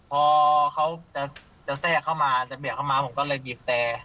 พอเขาจะแทรกเข้ามาจะเบียดเข้ามาผมก็เลยบีบแต่